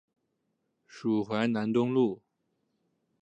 属淮南东路。